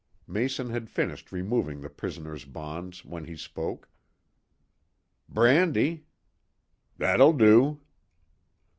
Mason had finished removing the prisoner's bonds when he spoke. "Brandy." "That'll do."